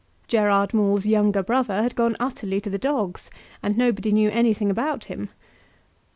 Gerard Maule's younger brother had gone utterly to the dogs, and nobody knew anything about him.